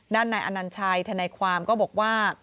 ด้านในอนัญชัยธนาความก็บอกว่า